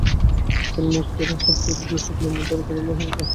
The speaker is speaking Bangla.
দেয়ালে মুখ করে হাতে চুরুট নিয়ে চোখ বেঁধে দাঁড় করানো হবে ওকে!